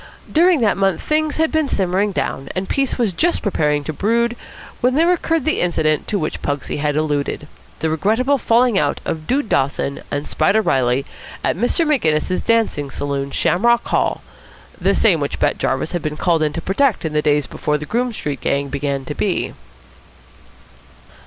During that month things had been simmering down, and peace was just preparing to brood when there occurred the incident to which Pugsy had alluded, the regrettable falling out of Dude Dawson and Spider Reilly at Mr. Maginnis's dancing saloon, Shamrock Hall, the same which Bat Jarvis had been called in to protect in the days before the Groome Street gang began to be.